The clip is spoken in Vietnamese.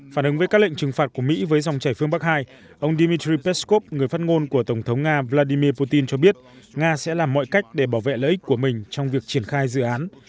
phản ứng với các lệnh trừng phạt của mỹ với dòng chảy phương bắc hai ông dmitry peskov người phát ngôn của tổng thống nga vladimir putin cho biết nga sẽ làm mọi cách để bảo vệ lợi ích của mình trong việc triển khai dự án